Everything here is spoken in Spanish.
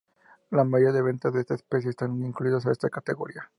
La mayoría de ventas de esta especie están incluidas en esta categoría.